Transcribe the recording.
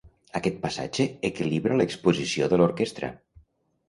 Aquest passatge equilibra l'exposició de l'orquestra.